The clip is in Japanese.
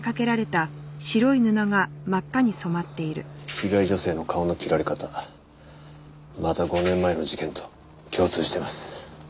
被害女性の顔の切られ方また５年前の事件と共通してます。